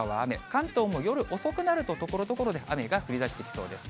関東も夜遅くなると、ところどころで雨が降りだしてきそうです。